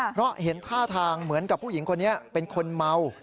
เพราะเห็นท่าทางเหมือนกับผู้หญิงคนนี้เป็นคนเมา